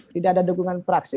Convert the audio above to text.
tidak ada dukungan praksi